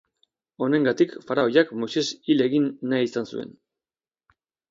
Honengatik, faraoiak Moises hil egin nahi izan zuen.